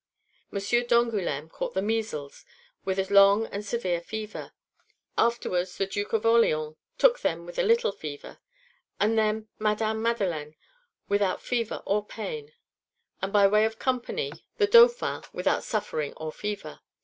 M. d'Angoulême caught the measles, with a long and severe fever; afterwards the Duke of Orleans took them with a little fever; and then Madame Madeleine without fever or pain; and by way of company the Dauphin without suffering or fever.